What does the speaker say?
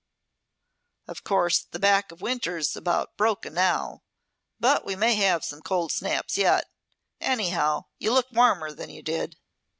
"Of course the back of winter's about broken now. But we may have some cold snaps yet. Anyhow, you look warmer than you did."